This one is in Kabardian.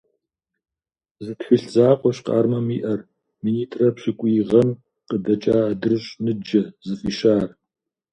Зы тхылъ закъуэщ Къармэм иӀэр – минитӀрэ пщыкӀуй гъэм къыдэкӀа «АдрыщӀ ныджэ» зыфӀищар.